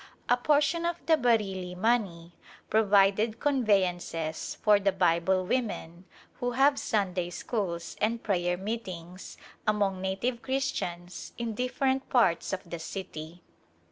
A portion of the Bareilly money provided conveyances for the Bible women who have Sunday schools and prayer meetings among native Christians in different parts of the city.